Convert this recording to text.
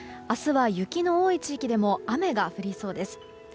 明日は雪の多い地域でも雨が降りそうです。